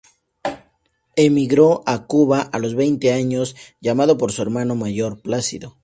Emigró a Cuba a los veinte años, llamado por su hermano mayor Plácido.